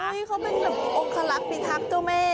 นี่เขาเป็นแบบองคลักษณ์พิทักษ์เจ้าแม่